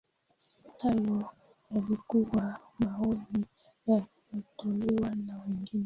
hayo yalikuwa maoni yaliyotolewa na wengi